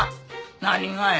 何がや？